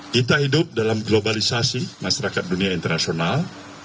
kita hidup dalam globalisasi masyarakat dunia internasional